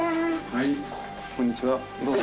はい。